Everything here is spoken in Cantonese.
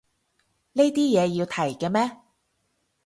呢啲嘢要提嘅咩